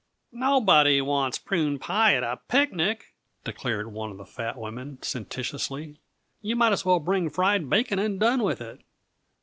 "Nobody wants prune pie at a picnic," declared one of the fat women sententiously. "You might as well bring fried bacon and done with it."